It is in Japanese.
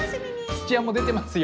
土屋も出てますよ